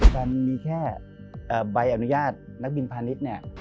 เพราะมันมีแค่ใบอนุญาตนักบินพาณิชย์